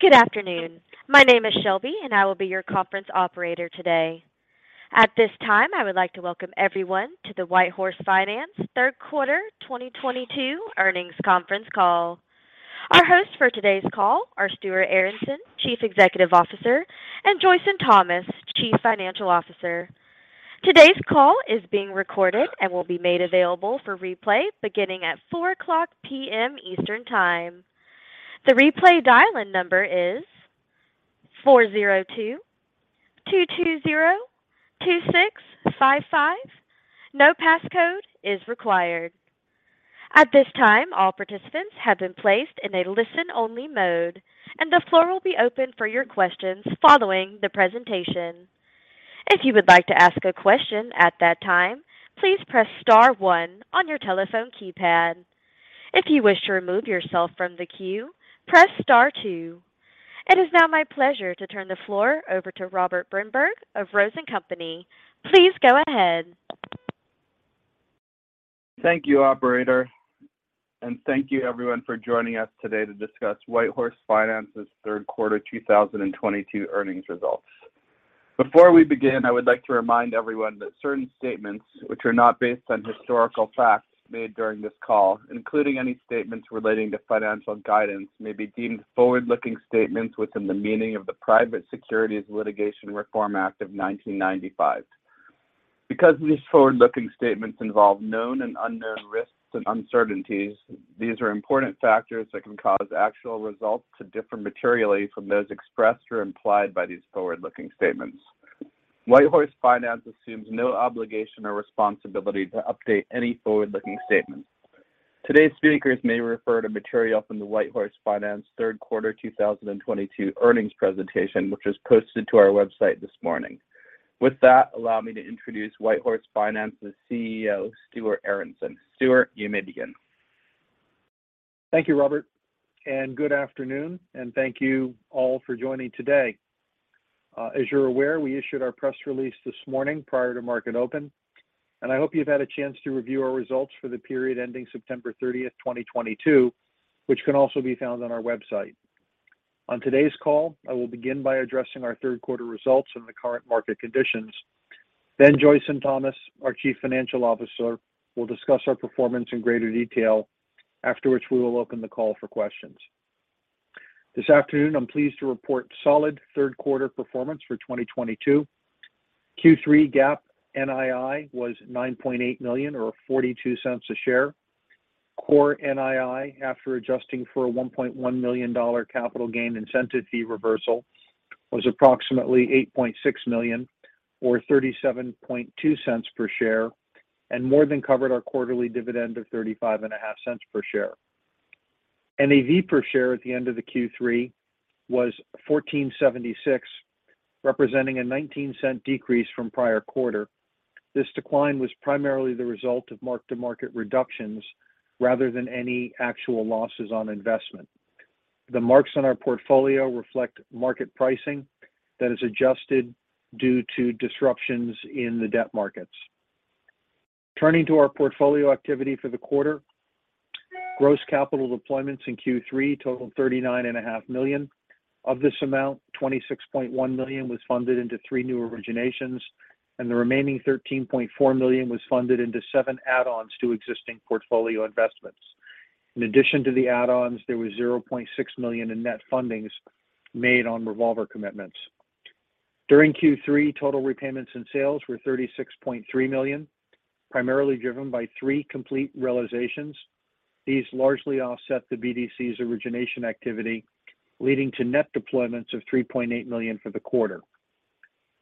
Good afternoon. My name is Shelby, and I will be your conference operator today. At this time, I would like to welcome everyone to the WhiteHorse Finance Third Quarter 2022 earnings conference call. Our hosts for today's call are Stuart Aronson, Chief Executive Officer, and Joyson Thomas, Chief Financial Officer. Today's call is being recorded and will be made available for replay beginning at 4:00 P.M. Eastern Time. The replay dial-in number is 402-220-6555. No passcode is required. At this time, all participants have been placed in a listen-only mode, and the floor will be open for your questions following the presentation. If you would like to ask a question at that time, please press star one on your telephone keypad. If you wish to remove yourself from the queue, press star two. It is now my pleasure to turn the floor over to Robert Brinberg of Rose & Company. Please go ahead. Thank you, operator, and thank you everyone for joining us today to discuss WhiteHorse Finance's Third Quarter 2022 earnings results. Before we begin, I would like to remind everyone that certain statements which are not based on historical facts made during this call, including any statements relating to financial guidance, may be deemed forward-looking statements within the meaning of the Private Securities Litigation Reform Act of 1995. Because these forward-looking statements involve known and unknown risks and uncertainties, these are important factors that can cause actual results to differ materially from those expressed or implied by these forward-looking statements. WhiteHorse Finance assumes no obligation or responsibility to update any forward-looking statements. Today's speakers may refer to material from the WhiteHorse Finance Third Quarter 2022 earnings presentation, which was posted to our website this morning. With that, allow me to introduce WhiteHorse Finance's CEO, Stuart Aronson. Stuart, you may begin. Thank you, Robert, and good afternoon, and thank you all for joining today. As you're aware, we issued our press release this morning prior to market open, and I hope you've had a chance to review our results for the period ending September 30, 2022, which can also be found on our website. On today's call, I will begin by addressing our third quarter results and the current market conditions. Then Joyson Thomas, our Chief Financial Officer, will discuss our performance in greater detail. Afterwards, we will open the call for questions. This afternoon, I'm pleased to report solid third quarter performance for 2022. Q3 GAAP NII was $9.8 million or $0.42 a share. Core NII, after adjusting for a $1.1 million capital gain incentive fee reversal, was approximately $8.6 million or $0.372 per share and more than covered our quarterly dividend of $0.355 per share. NAV per share at the end of the Q3 was $14.76, representing a $0.19 decrease from prior quarter. This decline was primarily the result of mark-to-market reductions rather than any actual losses on investment. The marks on our portfolio reflect market pricing that is adjusted due to disruptions in the debt markets. Turning to our portfolio activity for the quarter, gross capital deployments in Q3 totaled $39.5 million. Of this amount, $26.1 million was funded into three new originations, and the remaining $13.4 million was funded into seven add-ons to existing portfolio investments. In addition to the add-ons, there was $0.6 million in net fundings made on revolver commitments. During Q3, total repayments and sales were $36.3 million, primarily driven by three complete realizations. These largely offset the BDC's origination activity, leading to net deployments of $3.8 million for the quarter.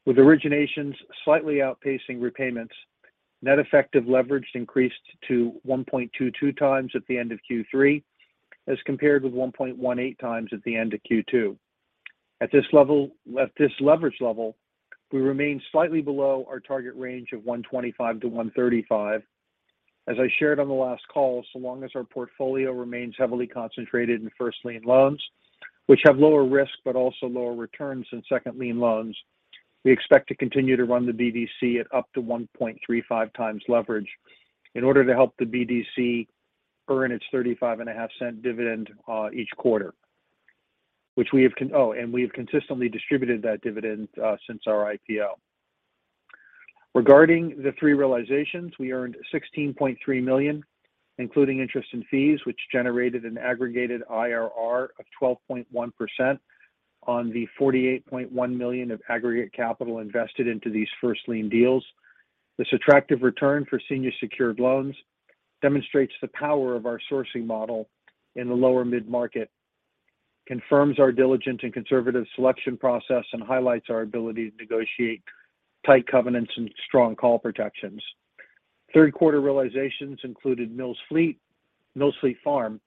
With originations slightly outpacing repayments, net effective leverage increased to 1.22x at the end of Q3 as compared with 1.18x at the end of Q2. At this leverage level, we remain slightly below our target range of 1.25-1.35. As I shared on the last call, so long as our portfolio remains heavily concentrated in first lien loans, which have lower risk but also lower returns than second lien loans, we expect to continue to run the BDC at up to 1.35 times leverage in order to help the BDC earn its $0.355 dividend each quarter, which we have consistently distributed that dividend since our IPO. Regarding the three realizations, we earned $16.3 million, including interest and fees, which generated an aggregated IRR of 12.1% on the $48.1 million of aggregate capital invested into these first lien deals. This attractive return for senior secured loans demonstrates the power of our sourcing model in the lower mid-market, confirms our diligent and conservative selection process, and highlights our ability to negotiate tight covenants and strong call protections. Third quarter realizations included Mills Fleet Farm,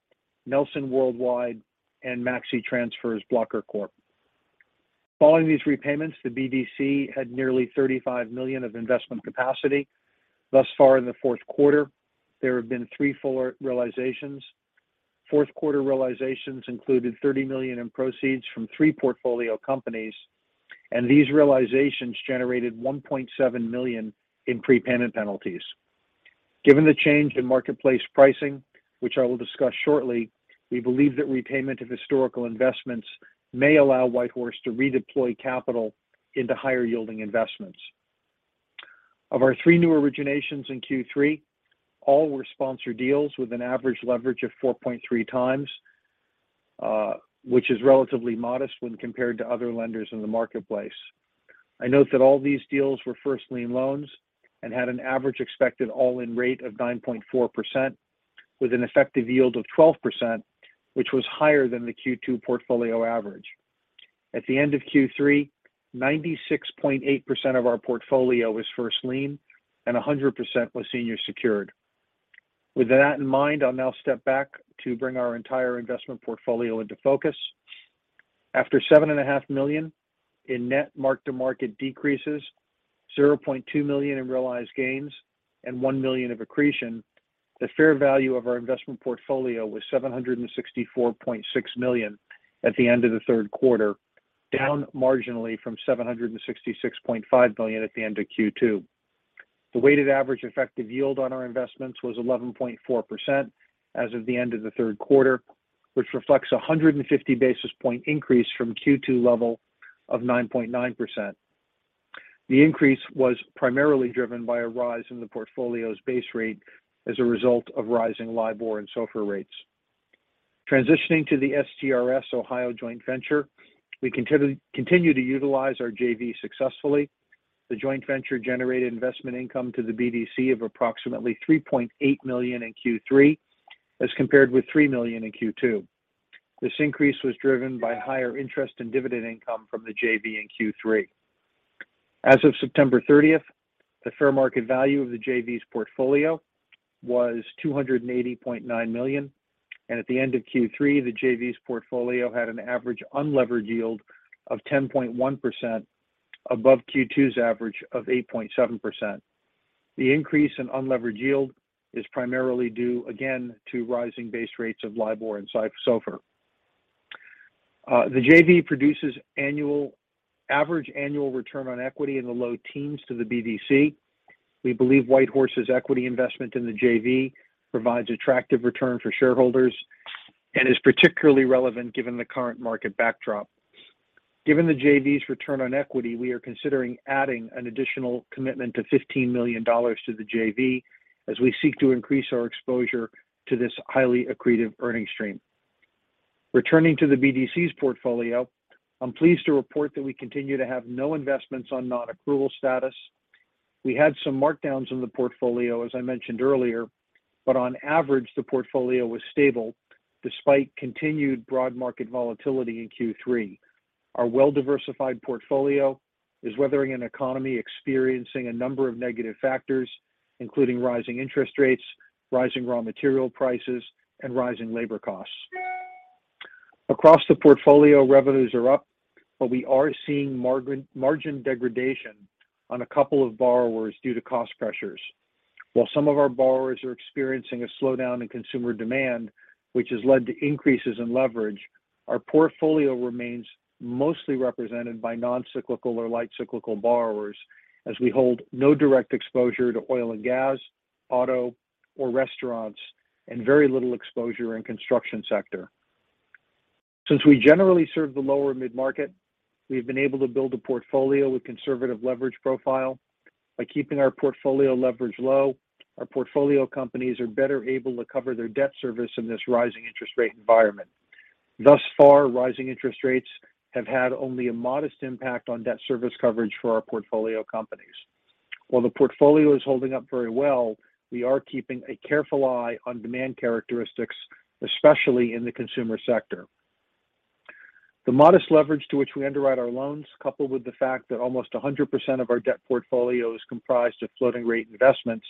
Nelson Worldwide, and Maxitransfers Corporation. Following these repayments, the BDC had nearly $35 million of investment capacity. Thus far in the fourth quarter, there have been three full realizations. Fourth quarter realizations included $30 million in proceeds from three portfolio companies, and these realizations generated $1.7 million in prepayment penalties. Given the change in marketplace pricing, which I will discuss shortly, we believe that repayment of historical investments may allow WhiteHorse to redeploy capital into higher-yielding investments. Of our three new originations in Q3, all were sponsored deals with an average leverage of 4.3x, which is relatively modest when compared to other lenders in the marketplace. I note that all these deals were first lien loans and had an average expected all-in rate of 9.4% with an effective yield of 12%, which was higher than the Q2 portfolio average. At the end of Q3, 96.8% of our portfolio was first lien and 100% was senior secured. With that in mind, I'll now step back to bring our entire investment portfolio into focus. After $7.5 million in net mark-to-market decreases, $0.2 million in realized gains, and $1 million of accretion, the fair value of our investment portfolio was $764.6 million at the end of the third quarter, down marginally from $766.5 million at the end of Q2. The weighted average effective yield on our investments was 11.4% as of the end of the third quarter, which reflects a 150 basis point increase from Q2 level of 9.9%. The increase was primarily driven by a rise in the portfolio's base rate as a result of rising LIBOR and SOFR rates. Transitioning to the STRS Ohio Joint Venture, we continue to utilize our JV successfully. The joint venture generated investment income to the BDC of approximately $3.8 million in Q3 as compared with $3 million in Q2. This increase was driven by higher interest and dividend income from the JV in Q3. As of September 30th, the fair market value of the JV's portfolio was $280.9 million, and at the end of Q3, the JV's portfolio had an average unlevered yield of 10.1% above Q2's average of 8.7%. The increase in unlevered yield is primarily due, again, to rising base rates of LIBOR and SOFR. The JV produces annual average return on equity in the low teens to the BDC. We believe WhiteHorse's equity investment in the JV provides attractive return for shareholders and is particularly relevant given the current market backdrop. Given the JV's return on equity, we are considering adding an additional commitment of $15 million to the JV as we seek to increase our exposure to this highly accretive earning stream. Returning to the BDC's portfolio, I'm pleased to report that we continue to have no investments on non-accrual status. We had some markdowns in the portfolio, as I mentioned earlier, but on average, the portfolio was stable despite continued broad market volatility in Q3. Our well-diversified portfolio is weathering an economy experiencing a number of negative factors, including rising interest rates, rising raw material prices, and rising labor costs. Across the portfolio, revenues are up, but we are seeing margin degradation on a couple of borrowers due to cost pressures. While some of our borrowers are experiencing a slowdown in consumer demand, which has led to increases in leverage, our portfolio remains mostly represented by non-cyclical or light cyclical borrowers as we hold no direct exposure to oil and gas, auto, or restaurants, and very little exposure in construction sector. Since we generally serve the lower mid-market, we have been able to build a portfolio with conservative leverage profile. By keeping our portfolio leverage low, our portfolio companies are better able to cover their debt service in this rising interest rate environment. Thus far, rising interest rates have had only a modest impact on debt service coverage for our portfolio companies. While the portfolio is holding up very well, we are keeping a careful eye on demand characteristics, especially in the consumer sector. The modest leverage to which we underwrite our loans, coupled with the fact that almost 100% of our debt portfolio is comprised of floating rate investments,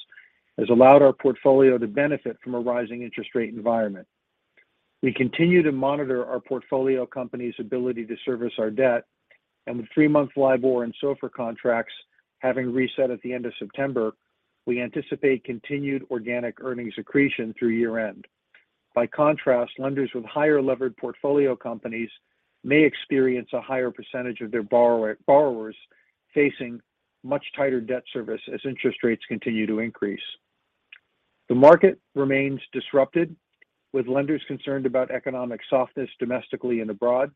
has allowed our portfolio to benefit from a rising interest rate environment. We continue to monitor our portfolio companies' ability to service our debt, and with three-month LIBOR and SOFR contracts having reset at the end of September, we anticipate continued organic earnings accretion through year-end. By contrast, lenders with higher levered portfolio companies may experience a higher percentage of their borrowers facing much tighter debt service as interest rates continue to increase. The market remains disrupted, with lenders concerned about economic softness domestically and abroad.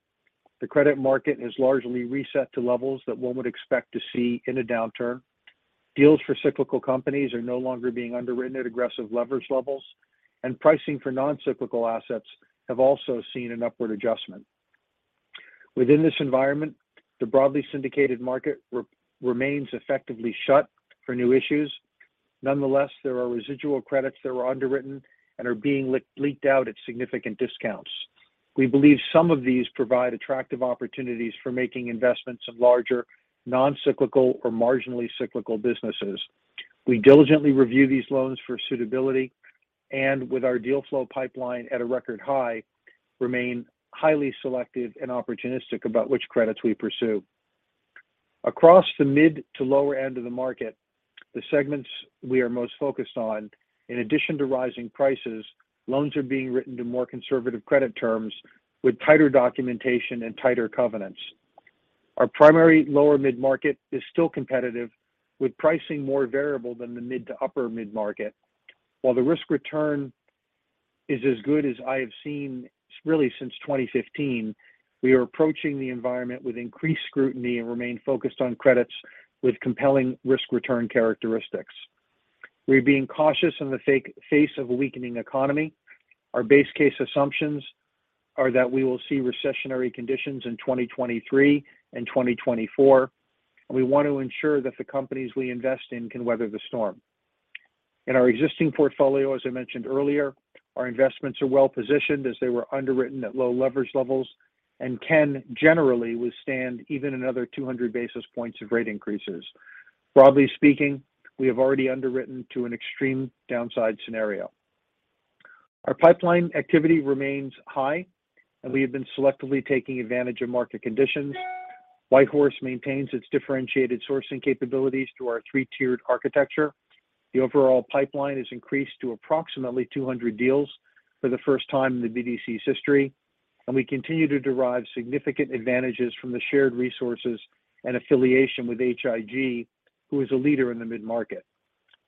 The credit market has largely reset to levels that one would expect to see in a downturn. Deals for cyclical companies are no longer being underwritten at aggressive leverage levels, and pricing for non-cyclical assets have also seen an upward adjustment. Within this environment, the broadly syndicated market remains effectively shut for new issues. Nonetheless, there are residual credits that were underwritten and are being leaked out at significant discounts. We believe some of these provide attractive opportunities for making investments in larger non-cyclical or marginally cyclical businesses. We diligently review these loans for suitability, and with our deal flow pipeline at a record high, remain highly selective and opportunistic about which credits we pursue. Across the mid to lower end of the market, the segments we are most focused on, in addition to rising prices, loans are being written to more conservative credit terms with tighter documentation and tighter covenants. Our primary lower mid-market is still competitive with pricing more variable than the mid to upper mid-market. While the risk return is as good as I have seen really since 2015, we are approaching the environment with increased scrutiny and remain focused on credits with compelling risk return characteristics. We are being cautious in the face of a weakening economy. Our base case assumptions are that we will see recessionary conditions in 2023 and 2024, and we want to ensure that the companies we invest in can weather the storm. In our existing portfolio, as I mentioned earlier, our investments are well-positioned as they were underwritten at low leverage levels and can generally withstand even another 200 basis points of rate increases. Broadly speaking, we have already underwritten to an extreme downside scenario. Our pipeline activity remains high, and we have been selectively taking advantage of market conditions. WhiteHorse maintains its differentiated sourcing capabilities through our three-tiered architecture. The overall pipeline has increased to approximately 200 deals for the first time in the BDC's history, and we continue to derive significant advantages from the shared resources and affiliation with H.I.G., who is a leader in the mid-market.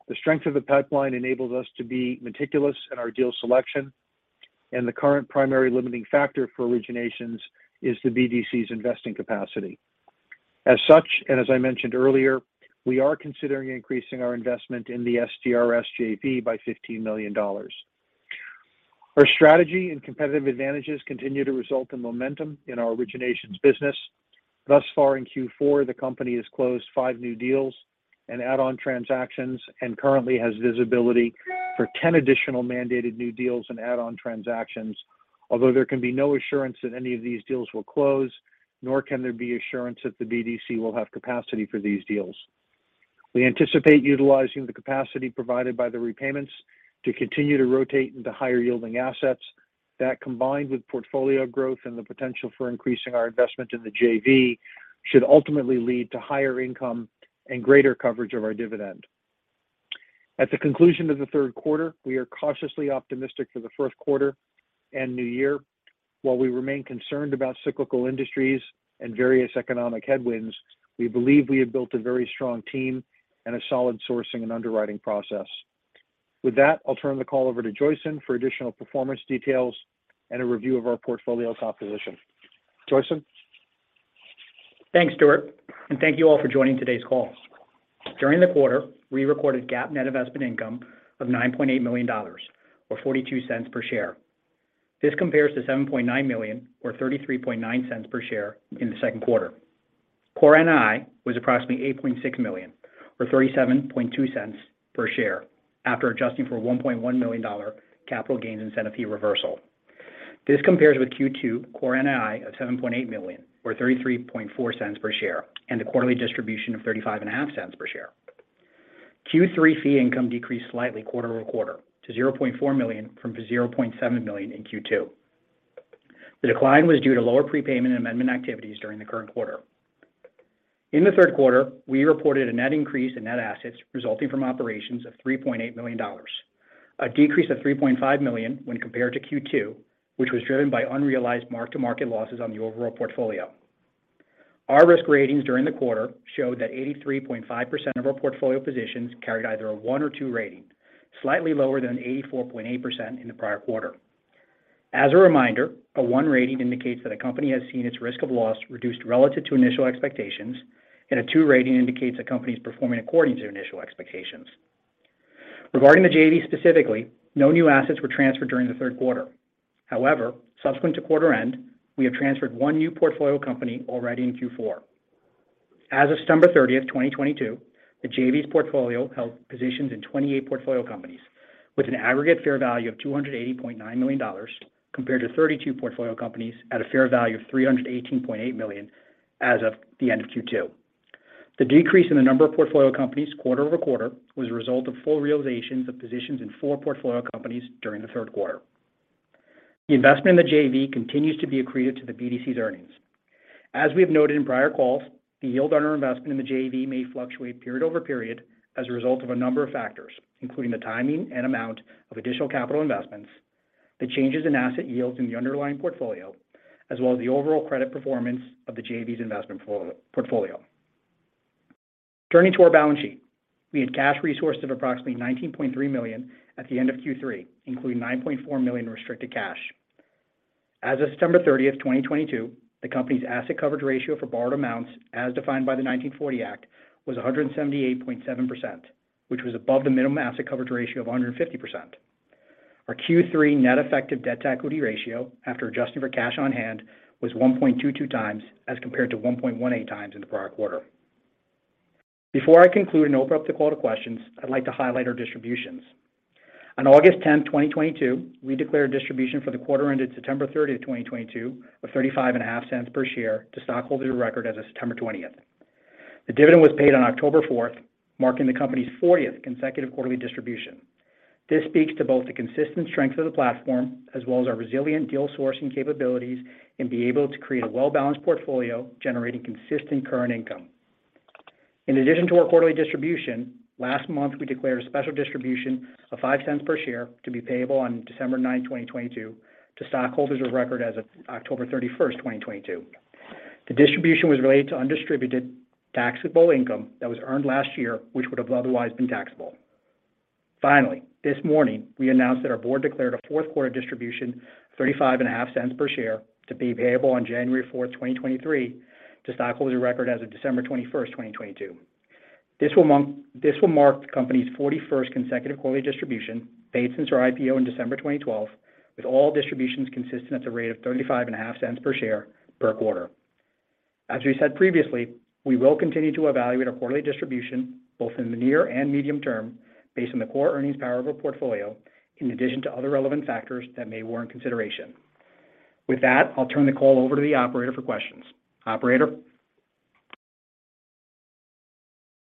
The strength of the pipeline enables us to be meticulous in our deal selection, and the current primary limiting factor for originations is the BDC's investing capacity. As such, as I mentioned earlier, we are considering increasing our investment in the STRS JV by $15 million. Our strategy and competitive advantages continue to result in momentum in our originations business. Thus far in Q4, the company has closed five new deals and add-on transactions and currently has visibility for 10 additional mandated new deals and add-on transactions. Although there can be no assurance that any of these deals will close, nor can there be assurance that the BDC will have capacity for these deals. We anticipate utilizing the capacity provided by the repayments to continue to rotate into higher-yielding assets. That, combined with portfolio growth and the potential for increasing our investment in the JV, should ultimately lead to higher income and greater coverage of our dividend. At the conclusion of the third quarter, we are cautiously optimistic for the first quarter and new year. While we remain concerned about cyclical industries and various economic headwinds, we believe we have built a very strong team and a solid sourcing and underwriting process. With that, I'll turn the call over to Joyson for additional performance details and a review of our portfolio top position. Joyson? Thanks, Stuart, and thank you all for joining today's call. During the quarter, we recorded GAAP net investment income of $9.8 million, or $0.42 per share. This compares to $7.9 million or $0.339 per share in the second quarter. Core NI was approximately $8.6 million or $0.372 per share after adjusting for a $1.1 million capital gains incentive fee reversal. This compares with Q2 core NI of $7.8 million or $0.334 per share and a quarterly distribution of $0.355 per share. Q3 fee income decreased slightly quarter-over-quarter to $0.4 million from $0.7 million in Q2. The decline was due to lower prepayment and amendment activities during the current quarter. In the third quarter, we reported a net increase in net assets resulting from operations of $3.8 million, a decrease of $3.5 million when compared to Q2, which was driven by unrealized mark-to-market losses on the overall portfolio. Our risk ratings during the quarter showed that 83.5% of our portfolio positions carried either a one or two rating, slightly lower than 84.8% in the prior quarter. As a reminder, a one rating indicates that a company has seen its risk of loss reduced relative to initial expectations, and a two rating indicates a company is performing according to initial expectations. Regarding the JV specifically, no new assets were transferred during the third quarter. However, subsequent to quarter end, we have transferred one new portfolio company already in Q4. As of September 30, 2022, the JV's portfolio held positions in 28 portfolio companies with an aggregate fair value of $280.9 million compared to 32 portfolio companies at a fair value of $318.8 million as of the end of Q2. The decrease in the number of portfolio companies quarter-over-quarter was a result of full realizations of positions in four portfolio companies during the third quarter. The investment in the JV continues to be accreted to the BDC's earnings. As we have noted in prior calls, the yield on our investment in the JV may fluctuate period over period as a result of a number of factors, including the timing and amount of additional capital investments, the changes in asset yields in the underlying portfolio, as well as the overall credit performance of the JV's investment portfolio. Turning to our balance sheet, we had cash resources of approximately $19.3 million at the end of Q3, including $9.4 million restricted cash. As of September 30, 2022, the company's asset coverage ratio for borrowed amounts, as defined by the 1940 Act, was 178.7%, which was above the minimum asset coverage ratio of 150%. Our Q3 net effective debt to equity ratio after adjusting for cash on hand was 1.22 times as compared to 1.18 times in the prior quarter. Before I conclude and open up the call to questions, I'd like to highlight our distributions. On August 10, 2022, we declared distribution for the quarter ended September 30, 2022 of $0.355 per share to stockholders of record as of September 20. The dividend was paid on October 4th, marking the company's 40th consecutive quarterly distribution. This speaks to both the consistent strength of the platform as well as our resilient deal sourcing capabilities and ability to create a well-balanced portfolio generating consistent current income. In addition to our quarterly distribution, last month, we declared a special distribution of $0.05 per share to be payable on December 9, 2022 to stockholders of record as of October 31, 2022. The distribution was related to undistributed taxable income that was earned last year, which would have otherwise been taxable. Finally, this morning, we announced that our board declared a fourth-quarter distribution of $0.355 per share to be payable on January 4, 2023 to stockholders of record as of December 21, 2022. This will mark the company's 41st consecutive quarterly distribution paid since our IPO in December 2012, with all distributions consistent at a rate of $0.355 per share per quarter. As we said previously, we will continue to evaluate our quarterly distribution, both in the near and medium term, based on the core earnings power of our portfolio, in addition to other relevant factors that may warrant consideration. With that, I'll turn the call over to the operator for questions. Operator?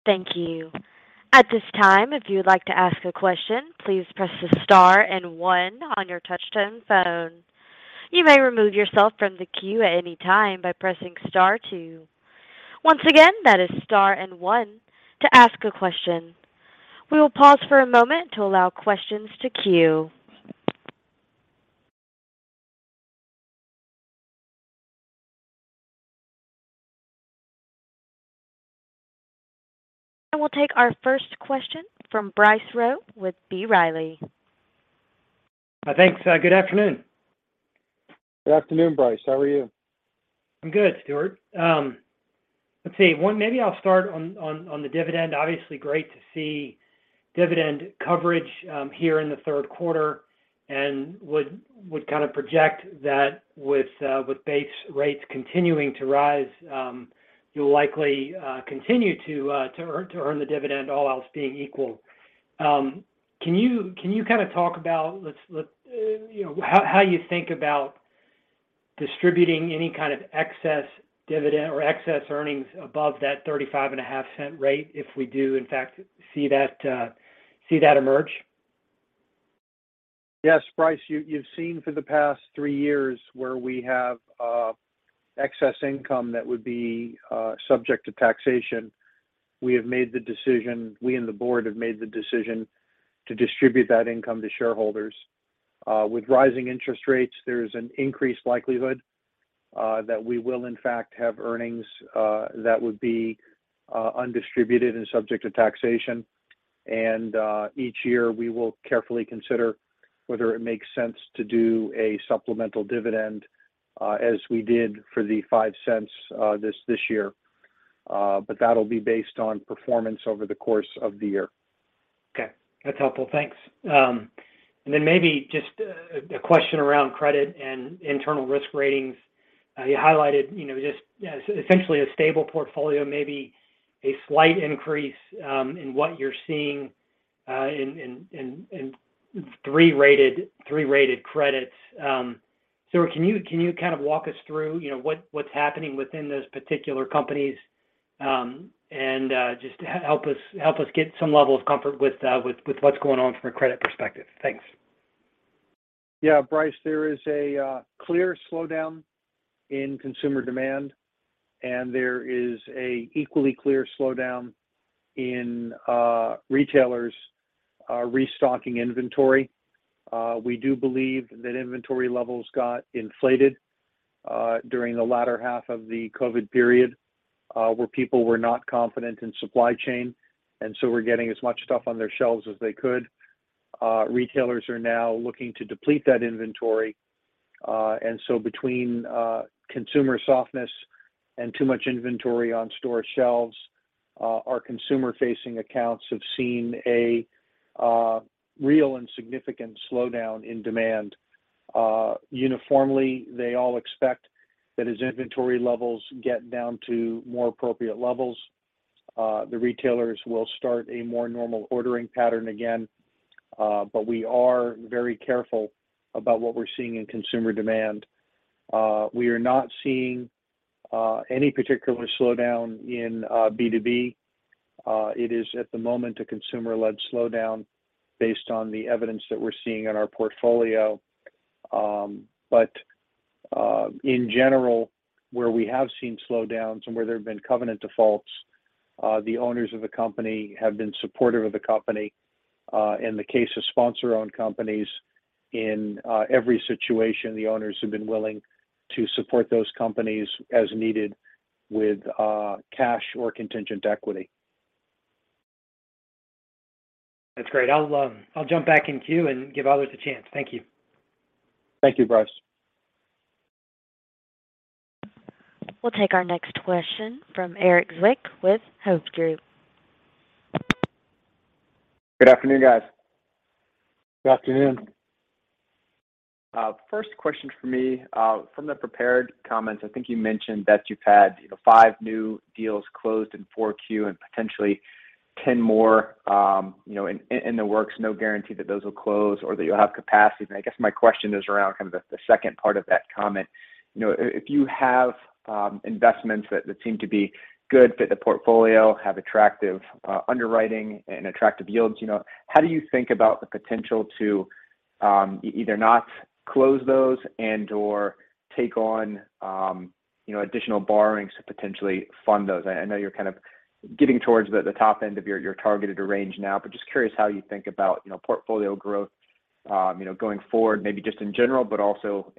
Thank you. At this time, if you would like to ask a question, please press the star and one on your touchtone phone. You may remove yourself from the queue at any time by pressing star two. Once again, that is star and one to ask a question. We will pause for a moment to allow questions to queue. We'll take our first question from Bryce Rowe with B. Riley. Thanks. Good afternoon. Good afternoon, Bryce. How are you? I'm good, Stuart. Let's see, one, maybe I'll start on the dividend. Obviously great to see dividend coverage here in the third quarter and would kind of project that with base rates continuing to rise, you'll likely continue to earn the dividend, all else being equal. Can you kind of talk about, you know, how you think about distributing any kind of excess dividend or excess earnings above that $0.355 rate if we do, in fact, see that emerge? Yes. Bryce, you've seen for the past three years where we have excess income that would be subject to taxation. We and the board have made the decision to distribute that income to shareholders. With rising interest rates, there's an increased likelihood that we will in fact have earnings that would be undistributed and subject to taxation. Each year, we will carefully consider whether it makes sense to do a supplemental dividend as we did for the $0.05 this year. That'll be based on performance over the course of the year. Okay. That's helpful. Thanks. Maybe just a question around credit and internal risk ratings. You highlighted, you know, just essentially a stable portfolio, maybe a slight increase in what you're seeing in three-rated credits. Stuart, can you kind of walk us through, you know, what's happening within those particular companies, and just help us get some level of comfort with what's going on from a credit perspective? Thanks. Yeah. Bryce, there is a clear slowdown in consumer demand, and there is an equally clear slowdown in retailers restocking inventory. We do believe that inventory levels got inflated during the latter half of the COVID period, where people were not confident in supply chain, and so were getting as much stuff on their shelves as they could. Retailers are now looking to deplete that inventory. Between consumer softness and too much inventory on store shelves, our consumer-facing accounts have seen a real and significant slowdown in demand. Uniformly, they all expect that as inventory levels get down to more appropriate levels, the retailers will start a more normal ordering pattern again. But we are very careful about what we're seeing in consumer demand. We are not seeing any particular slowdown in B2B. It is, at the moment, a consumer-led slowdown based on the evidence that we're seeing in our portfolio. In general, where we have seen slowdowns and where there have been covenant defaults, the owners of the company have been supportive of the company. In the case of sponsor-owned companies, in every situation, the owners have been willing to support those companies as needed with cash or contingent equity. That's great. I'll jump back in queue and give others a chance. Thank you. Thank you, Bryce. We'll take our next question from Erik Zwick with Hovde Group. Good afternoon, guys. Good afternoon. First question from me. From the prepared comments, I think you mentioned that you've had, you know, five new deals closed in 4Q and potentially 10 more, you know, in the works, no guarantee that those will close or that you'll have capacity. I guess my question is around kind of the second part of that comment. You know, if you have investments that seem to be a good fit for the portfolio, have attractive underwriting and attractive yields, you know, how do you think about the potential to either not close those and/or take on, you know, additional borrowings to potentially fund those. I know you're kind of getting towards the top end of your targeted range now, but just curious how you think about, you know, portfolio growth, you know, going forward, maybe just in general, but also,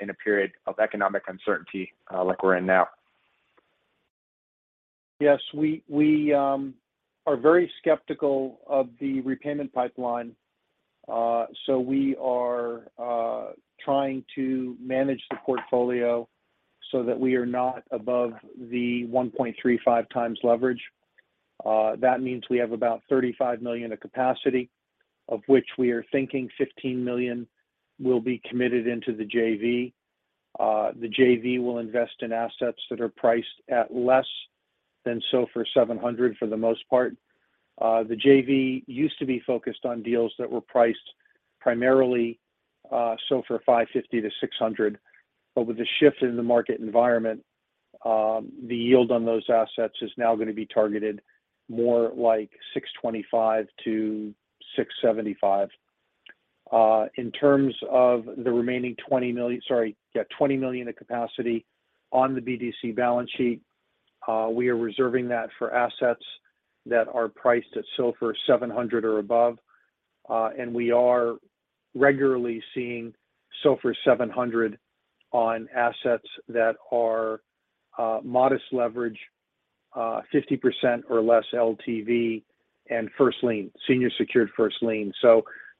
in a period of economic uncertainty, like we're in now? Yes. We are very skeptical of the repayment pipeline. We are trying to manage the portfolio so that we are not above the 1.35x leverage. That means we have about $35 million of capacity, of which we are thinking $15 million will be committed into the JV. The JV will invest in assets that are priced at less than SOFR 700 for the most part. The JV used to be focused on deals that were priced primarily SOFR 550-600. With the shift in the market environment, the yield on those assets is now gonna be targeted more like 625-675. In terms of the remaining $20 million of capacity on the BDC balance sheet, we are reserving that for assets that are priced at SOFR 700 or above. We are regularly seeing SOFR 700 on assets that are modest leverage, 50% or less LTV and first lien, senior secured first lien.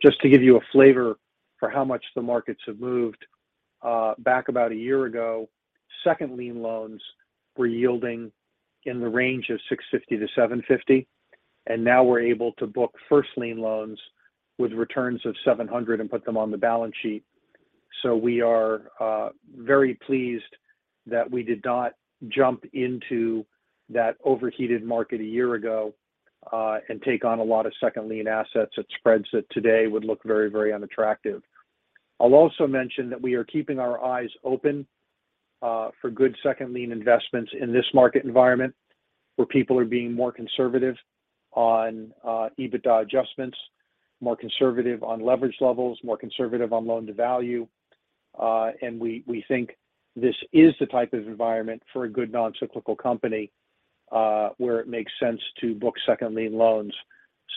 Just to give you a flavor for how much the markets have moved, back about a year ago, second lien loans were yielding in the range of 650-750, and now we're able to book first lien loans with returns of 700 and put them on the balance sheet. We are very pleased that we did not jump into that overheated market a year ago, and take on a lot of second lien assets at spreads that today would look very, very unattractive. I'll also mention that we are keeping our eyes open for good second lien investments in this market environment, where people are being more conservative on EBITDA adjustments, more conservative on leverage levels, more conservative on loan to value. We think this is the type of environment for a good non-cyclical company, where it makes sense to book second lien loans.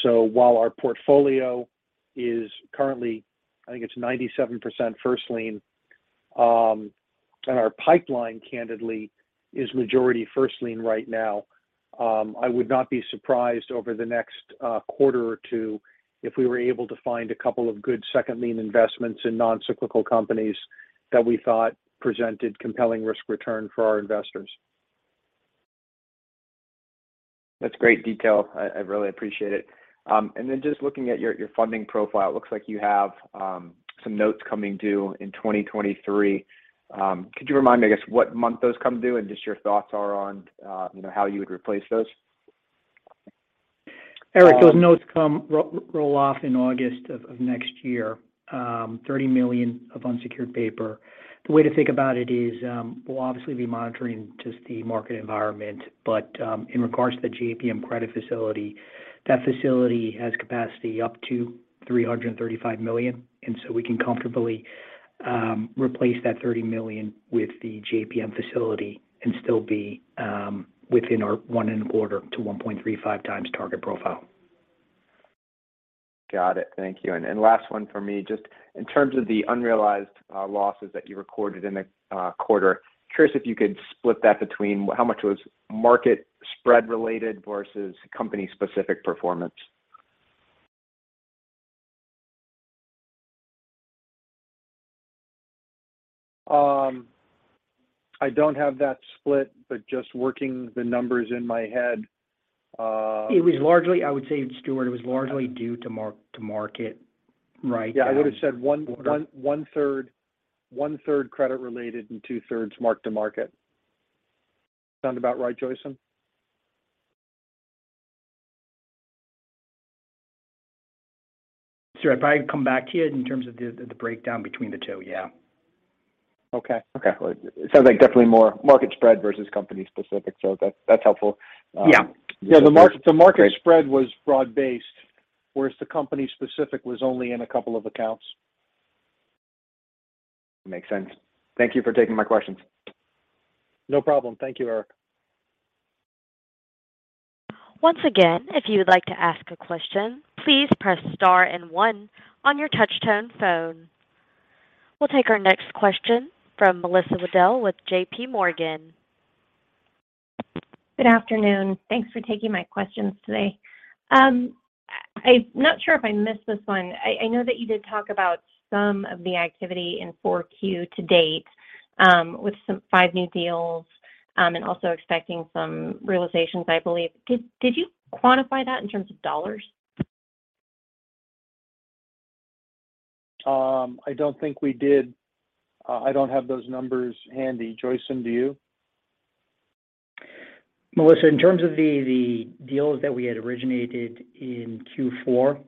While our portfolio is currently, I think it's 97% first lien, and our pipeline, candidly, is majority first lien right now, I would not be surprised over the next quarter or two if we were able to find a couple of good second lien investments in non-cyclical companies that we thought presented compelling risk return for our investors. That's great detail. I really appreciate it. Just looking at your funding profile, it looks like you have some notes coming due in 2023. Could you remind me, I guess, what month those come due and just your thoughts are on, you know, how you would replace those? Erik, those notes come roll off in August of next year, $30 million of unsecured paper. The way to think about it is, we'll obviously be monitoring just the market environment. In regards to the JPM credit facility, that facility has capacity up to $335 million, and so we can comfortably replace that $30 million with the JPM facility and still be within our 1.25x-1.35x target profile. Got it. Thank you. Last one for me. Just in terms of the unrealized losses that you recorded in the quarter, curious if you could split that between how much was market spread related versus company-specific performance? I don't have that split, but just working the numbers in my head. I would say, Stuart, it was largely due to mark-to-market, right? Yeah. I would've said 1/3 credit-related and 2/3 mark-to-market. Sound about right, Joyson? Sure. If I come back to you in terms of the breakdown between the two, yeah. Okay. Well, it sounds like definitely more market spread versus company specific, so that's helpful. Yeah. Yeah. Great The market spread was broad-based, whereas the company specific was only in a couple of accounts. Makes sense. Thank you for taking my questions. No problem. Thank you, Erik. Once again, if you would like to ask a question, please press star and one on your touch tone phone. We'll take our next question from Melissa Wedel with JPMorgan. Good afternoon. Thanks for taking my questions today. I'm not sure if I missed this one. I know that you did talk about some of the activity in 4Q to date, with some five new deals, and also expecting some realizations, I believe. Did you quantify that in terms of dollars? I don't think we did. I don't have those numbers handy. Joyson, do you? Melissa, in terms of the deals that we had originated in Q4,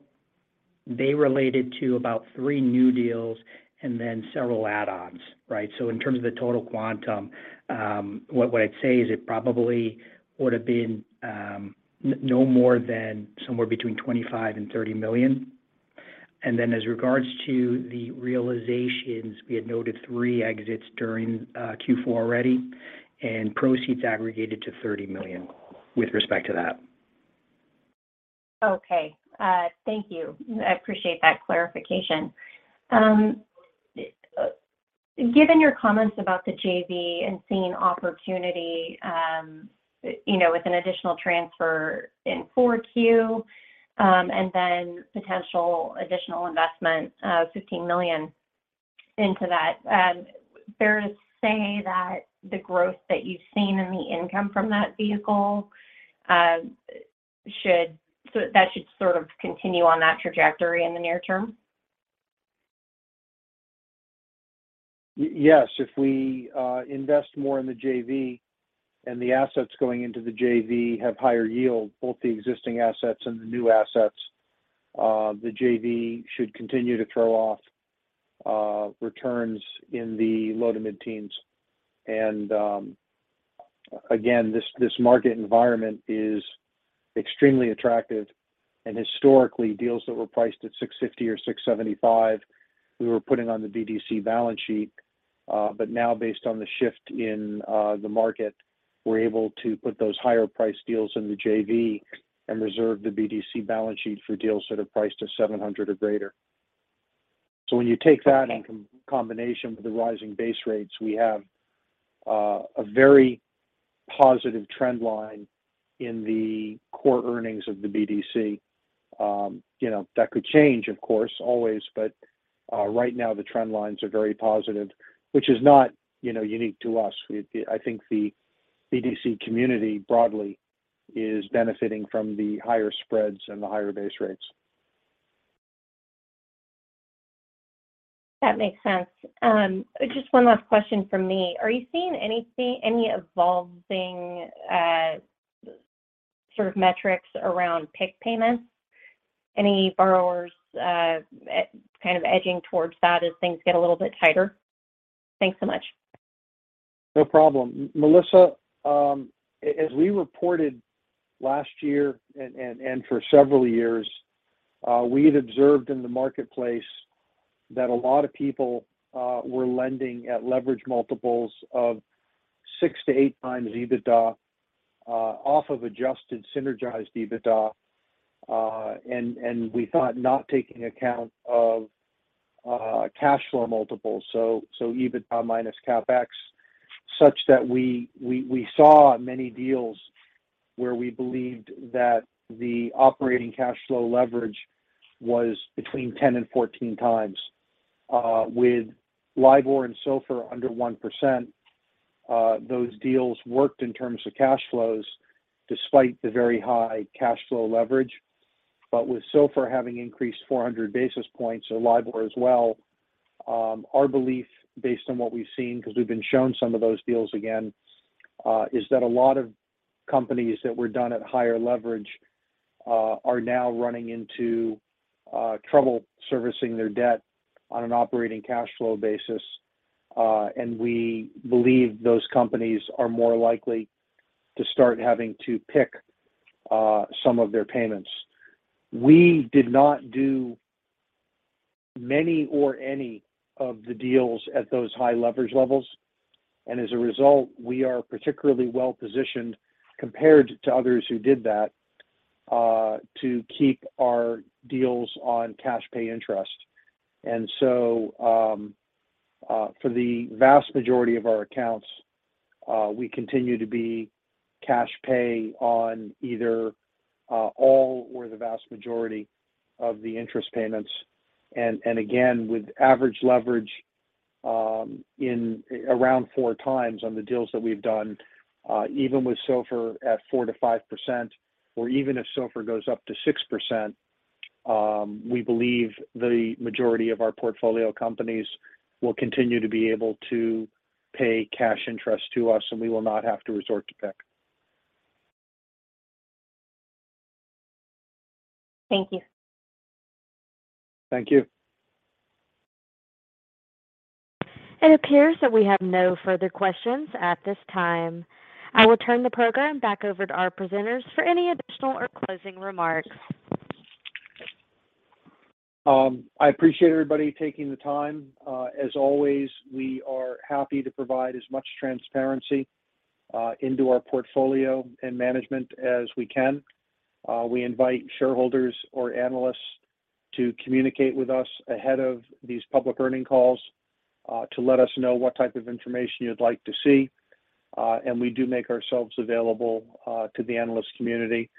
they related to about three new deals and then several add-ons, right? In terms of the total quantum, what I'd say is it probably would have been no more than somewhere between $25 million and $30 million. As regards to the realizations, we had noted three exits during Q4 already, and proceeds aggregated to $30 million with respect to that. Okay. Thank you. I appreciate that clarification. Given your comments about the JV and seeing opportunity, you know, with an additional transfer in 4Q, and then potential additional investment of $15 million into that, fair to say that the growth that you've seen in the income from that vehicle should sort of continue on that trajectory in the near term? Yes. If we invest more in the JV and the assets going into the JV have higher yield, both the existing assets and the new assets, the JV should continue to throw off returns in the low to mid-teens. Again, this market environment is extremely attractive, and historically, deals that were priced at 650 or 675, we were putting on the BDC balance sheet. Now based on the shift in the market, we're able to put those higher-priced deals in the JV and reserve the BDC balance sheet for deals that are priced at 700 or greater. When you take that in combination with the rising base rates, we have a very positive trend line in the core earnings of the BDC. You know, that could change, of course, always, but right now, the trend lines are very positive, which is not, you know, unique to us. I think the BDC community broadly is benefiting from the higher spreads and the higher base rates. That makes sense. Just one last question from me. Are you seeing anything, any evolving, sort of metrics around PIK payments? Any borrowers, kind of edging towards that as things get a little bit tighter? Thanks so much. No problem. Melissa, as we reported last year and for several years, we'd observed in the marketplace that a lot of people were lending at leverage multiples of 6x-8x EBITDA, off of adjusted synergized EBITDA. We thought not taking account of cash flow multiples, so EBITDA minus CAPEX, such that we saw many deals where we believed that the operating cash flow leverage was between 10x and 14x. With LIBOR and SOFR under 1%, those deals worked in terms of cash flows despite the very high cash flow leverage. With SOFR having increased 400 basis points or LIBOR as well, our belief based on what we've seen, 'cause we've been shown some of those deals again, is that a lot of companies that were done at higher leverage are now running into trouble servicing their debt on an operating cash flow basis. We believe those companies are more likely to start having to PIK some of their payments. We did not do many or any of the deals at those high leverage levels. As a result, we are particularly well-positioned compared to others who did that to keep our deals on cash pay interest. For the vast majority of our accounts, we continue to be cash pay on either all or the vast majority of the interest payments. Again, with average leverage in around 4x on the deals that we've done, even with SOFR at 4%-5% or even if SOFR goes up to 6%, we believe the majority of our portfolio companies will continue to be able to pay cash interest to us, and we will not have to resort to PIK. Thank you. Thank you. It appears that we have no further questions at this time. I will turn the program back over to our presenters for any additional or closing remarks. I appreciate everybody taking the time. As always, we are happy to provide as much transparency into our portfolio and management as we can. We invite shareholders or analysts to communicate with us ahead of these public earnings calls to let us know what type of information you'd like to see. We do make ourselves available to the analyst community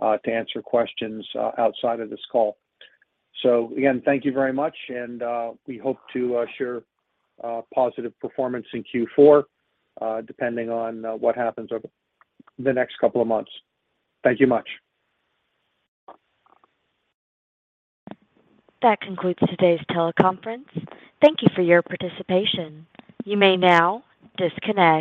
to answer questions outside of this call. Again, thank you very much, and we hope to share positive performance in Q4, depending on what happens over the next couple of months. Thank you much. That concludes today's teleconference. Thank you for your participation. You may now disconnect.